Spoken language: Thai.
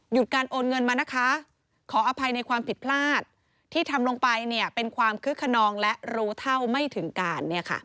การโอนเงินมานะคะขออภัยในความผิดพลาดที่ทำลงไปเป็นความคึกขนองและรู้เท่าไม่ถึงการ